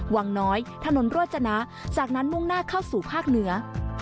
วังน้อยถนนโรจนะจากนั้นมุ่งหน้าเข้าสู่ภาคเหนือ